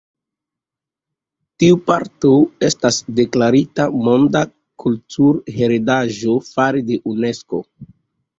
Tiu parto estas deklarita monda kulturheredaĵo fare de Unesko.